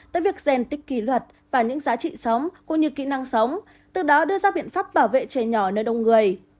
tới việc gen tích kỷ luật và những giá trị sống cũng như kỹ năng sống từ đó đưa ra biện pháp bảo vệ trẻ nhỏ nơi đông người